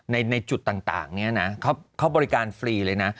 ในจุดต่างเนี่ยนะเขาบริการฟรีเลยนะ